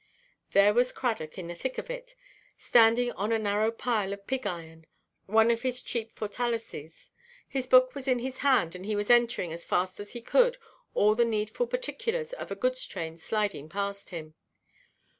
There was Cradock, in the thick of it, standing on a narrow pile of pig–iron, one of his chief fortalices; his book was in his hand, and he was entering, as fast as he could, all the needful particulars of a goods train sliding past him.